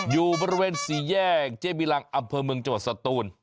อยู่บริเวณสี่แยกเจบิลังอำเภอเมืองจังหวัดสตูน